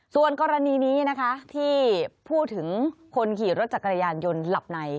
ส่วนกรณีนี้นะคะที่พูดถึงคนขี่รถจักรยานยนต์หลับใน